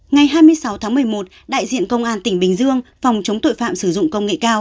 ngày hai mươi sáu tháng một mươi một đại diện công an tỉnh bình dương phòng chống tội phạm sử dụng công nghệ cao